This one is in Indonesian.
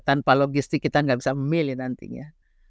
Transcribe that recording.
tanpa logistik kita nggak bisa memilih nantinya